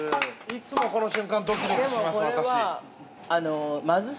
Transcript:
いつもこの瞬間、ドキドキします。